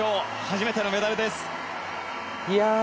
初めてのメダルです。